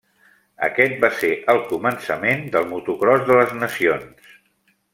Aquest va ser el començament del Motocròs de les Nacions.